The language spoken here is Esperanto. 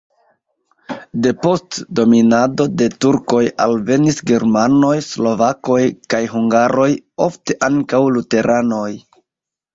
Depost dominado de turkoj alvenis germanoj, slovakoj kaj hungaroj, ofte ankaŭ luteranoj.